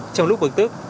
trong lúc bước tức